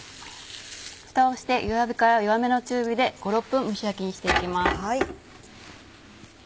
フタをして弱火から弱めの中火で５６分蒸し焼きにしていきます。